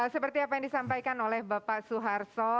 seperti apa yang disampaikan oleh bapak suharto